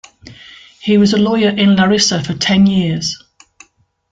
He was a lawyer in Larissa for ten years.